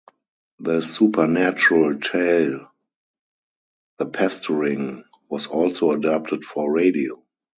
The supernatural tale "The Pestering" was also adapted for radio.